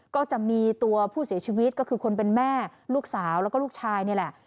ก็จะมีตัวผู้เสียชีวิตก็คือคนเป็นแม่ลูกสาวแล้วก็ลูกชายนี่แหละ